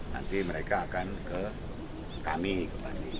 nanti mereka akan ke kami ke bandung